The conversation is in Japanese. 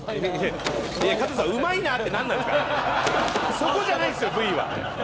そこじゃないんですよＶは。